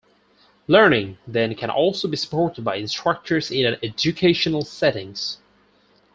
Learning, then, can also be supported by instructors in an educational setting.